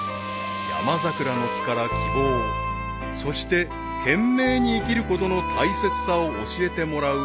［山桜の木から希望そして懸命に生きることの大切さを教えてもらうまる子たちなのであった］